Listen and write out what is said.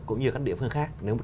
cũng như các địa phương khác